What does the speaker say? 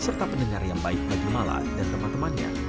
serta pendengar yang baik bagi mala dan teman temannya